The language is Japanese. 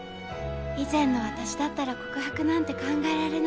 以前の私だったら告白なんて考えられなかった。